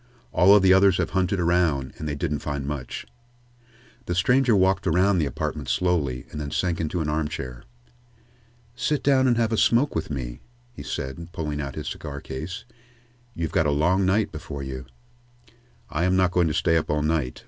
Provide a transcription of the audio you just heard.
"All of the others have hunted around, and they didn't find much." The stranger walked around the apartment slowly, and then sank into an armchair. "Sit down and have a smoke with me," he said, pulling out his cigar case. "You've got a long night before you." "I am not going to stay up all night.